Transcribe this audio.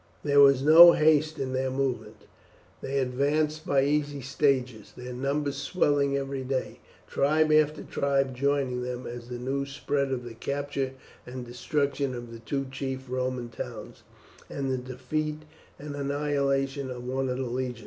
There was no haste in their movements. They advanced by easy stages, their numbers swelling every day, tribe after tribe joining them, as the news spread of the capture and destruction of the two chief Roman towns, and the defeat and annihilation of one of the legions.